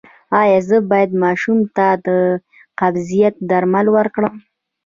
ایا زه باید ماشوم ته د قبضیت درمل ورکړم؟